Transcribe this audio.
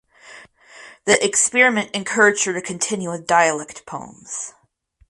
The experiment encouraged her to continue with dialect poems.